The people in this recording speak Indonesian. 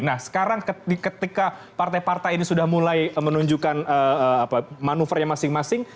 nah sekarang ketika partai partai ini sudah mulai menunjukkan manuvernya masing masing